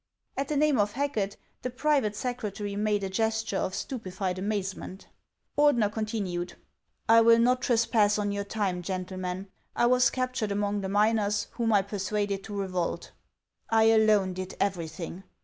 At the name of Hacket, the private secretary made a gesture of stupefied amazement. Ordener continued :" I will not trespass on your time, gentlemen. I was captured among the miners, whom I persuaded to revolt. I alone did everything.